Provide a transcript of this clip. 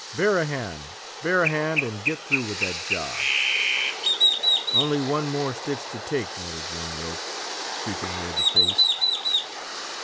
"Bear a hand!—bear a hand! and get through with that job!" "Only one more stitch to take," muttered Ringrope, creeping near the face.